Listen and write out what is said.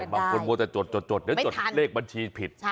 ใช่บางคนว่าจะจดหรือจดเลขบัญชีผิด